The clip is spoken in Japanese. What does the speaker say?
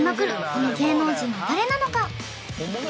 この芸能人は誰なのか？